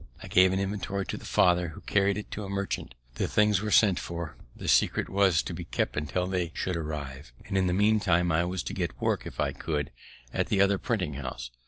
I gave an inventory to the father, who carry'd it to a merchant; the things were sent for, the secret was to be kept till they should arrive, and in the meantime I was to get work, if I could, at the other printing house.